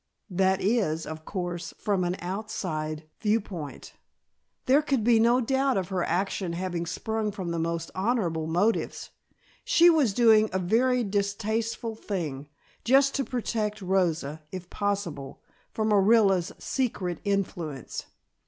That is, of course, from an outside viewpoint. There could be no doubt of her action having sprung from the most honorable motives. She was doing a very distasteful thing, just to protect Rosa, if possible, from Orilla's secret influence.